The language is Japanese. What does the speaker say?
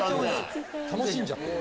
楽しんじゃってる。